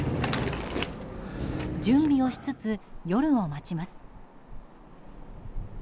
準備をしつつ、夜を待ちます。